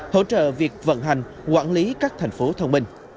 hỗ trợ việc vận hành quản lý các tp thông minh